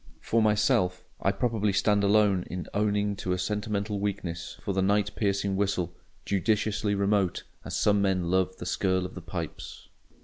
For myself, I probably stand alone in owning to a sentimental weakness for the night piercing whistle—judiciously remote, as some men love the skirl of the pipes.